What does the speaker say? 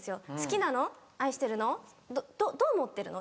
どう思ってるの？